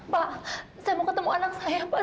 pak saya mau ketemu anak saya pak